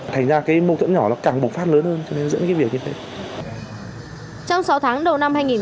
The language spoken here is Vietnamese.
thành ra cái mâu thuẫn nhỏ nó càng bộc phát lớn hơn cho nên dẫn cái việc như thế